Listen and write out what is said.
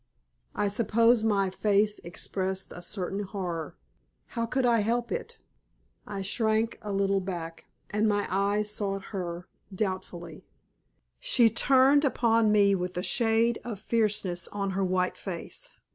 I suppose my face expressed a certain horror. How could I help it? I shrank a little back, and my eyes sought her, doubtfully. She turned upon me with a shade of fierceness on her white face.